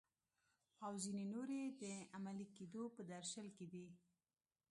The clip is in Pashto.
او ځینې نورې د عملي کیدو په درشل کې دي.